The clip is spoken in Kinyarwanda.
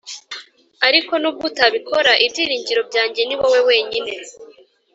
ariko nubwo utabikora ibyiringiro byanjye niwowe wenyine